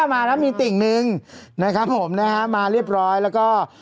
มาแล้วมีติ่งหนึ่งนะครับผมนะฮะมาเรียบร้อยแล้วก็